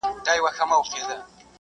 مسلمانانو د عدالت له مخې ښه چلند وکړ.